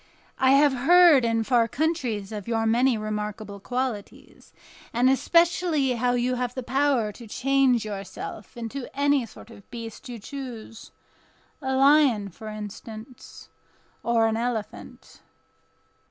I have heard in far countries of your many remarkable qualities, and especially how you have the power to change yourself into any sort of beast you choose—a lion, for instance, or an elephant."